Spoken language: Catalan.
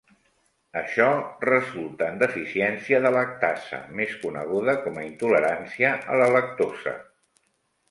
Això resulta en deficiència de lactasa, més coneguda com a intolerància a la lactosa.